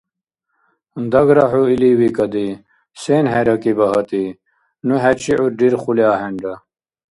Дагра хӀу или викӀади. Сен хӀеракӀиба гьатӀи? Ну хӀечи гӀур рирхули ахӀенра.